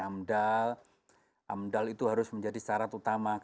jadi amdal itu harus menjadi syarat utama